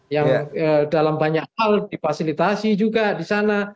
yang dalam banyak hal difasilitasi juga di sana